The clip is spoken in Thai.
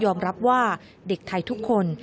รับว่าเด็กไทยทุกคน